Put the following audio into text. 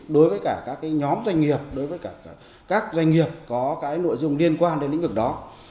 đối với cả các nhóm doanh nghiệp đối với các doanh nghiệp có cái nội dung liên quan đến lĩnh vực đó